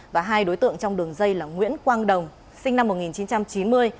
và hai đối tượng trong đường dây là nguyễn quang đồng sinh năm một nghìn chín trăm chín mươi